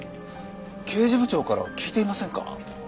刑事部長から聞いていませんか？